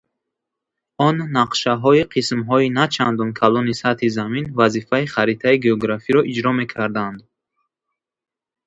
Он нақшаҳои қисмҳои начандон калони сатҳи Замин вазифаи харитаи географиро иҷро мекарданд.